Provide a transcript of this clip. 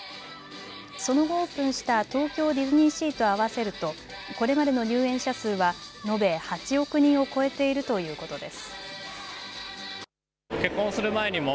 その後、オープンした東京ディズニーシーと合わせるとこれまでの入園者数は延べ８億人を超えているということです。